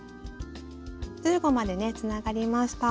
１５までねつながりました。